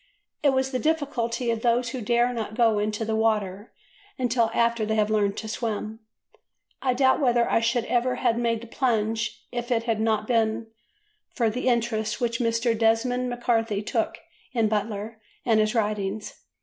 It was the difficulty of those who dare not go into the water until after they have learnt to swim. I doubt whether I should ever have made the plunge if it had not been for the interest which Mr. Desmond MacCarthy took in Butler and his writings.